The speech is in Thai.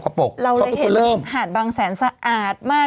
เขาก็คือเริ่มเราเลยเห็นหาดบางแสนสะอาดมาก